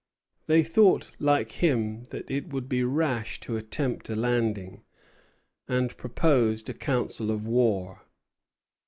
They thought, like him, that it would be rash to attempt a landing, and proposed a council of war.